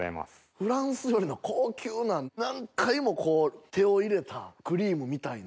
フランス料理の高級な何回もこう手を入れたクリームみたいな。